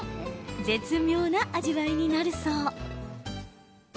絶妙な味わいになるそう。